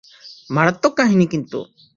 মারাত্মক কাহিনি কিন্তু!